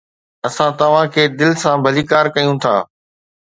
اسان توهان کي دل سان ڀليڪار ڪيون ٿا